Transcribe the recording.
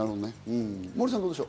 モーリーさん、どうでしょう？